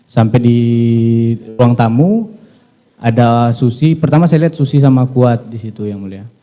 sampai di ruang tamu ada susi pertama saya lihat susi sama kuat di situ yang mulia